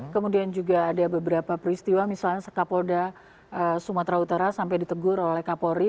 kemudian juga ada beberapa peristiwa misalnya sekapolda sumatera utara sampai ditegur oleh kapolri